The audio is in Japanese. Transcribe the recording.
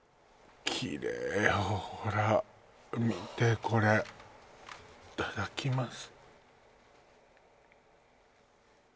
きれいほら見てこれいただきます